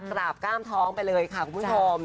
กราบก้ามท้องไปเลยค่ะคุณผู้ชม